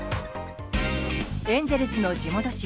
エンゼルスの地元紙